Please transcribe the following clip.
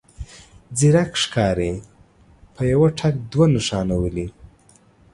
ځيرک ښکاري په يوه ټک دوه نښانه ولي.